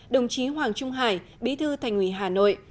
đồng chí hoàng trung hải bí thư thành ủy hà nội